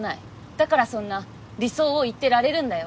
だからそんな理想を言ってられるんだよ。